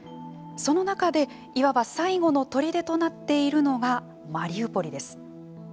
その中で、いわば最後のとりでとなっているのがマリウポリです。